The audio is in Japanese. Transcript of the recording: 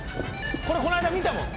これこの間見たもん。